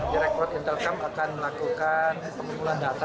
direktur intelkam akan melakukan pengumpulan data